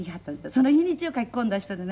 その日にちを書き込んだ人でね。